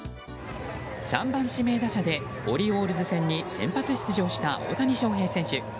３番指名打者でオリオールズ戦に先発出場した大谷翔平選手。